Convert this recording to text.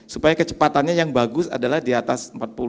supaya kecepatannya yang bagus adalah di atas empat puluh